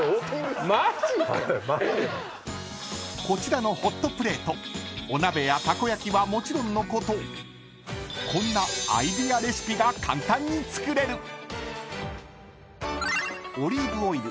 ［こちらのホットプレートお鍋やたこ焼きはもちろんのことこんなアイデアレシピが簡単に作れる！］